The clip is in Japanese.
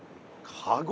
カゴ？